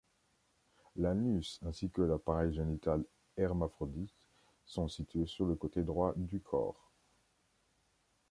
L'anus ainsi que l'appareil génital hermaphrodite sont situés sur le côté droit du corps.